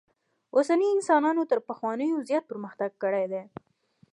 اوسني انسانانو تر پخوانیو زیات پرمختک کړی دئ.